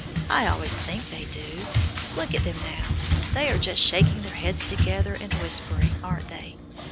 I always think they do. Look at them now. They are just shaking their heads together and whispering, aren't they?